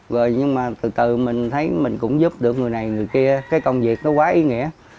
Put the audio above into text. rồi nhưng mà từ từ mình thấy mình cũng giúp được người này người kia cái công việc nó quá ý nghĩa